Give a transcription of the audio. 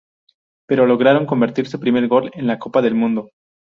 Pero lograron convertir su primer gol en la Copa del Mundo.